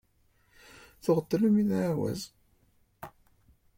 Tuɣeḍ tannumi d ɛawaz.